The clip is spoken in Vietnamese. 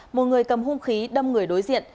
một người cầm hung khí đâm người đối diện